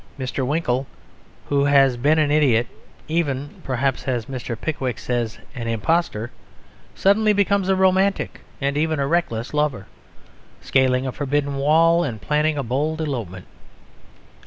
Mr. Winkle, who has been an idiot (even, perhaps, as Mr. Pickwick says, "an impostor"), suddenly becomes a romantic and even reckless lover, scaling a forbidden wall and planning a bold elopement.